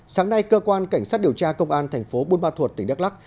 sáng nay cơ quan cảnh sát điều tra công an tp bunma thuột tỉnh đắk lắc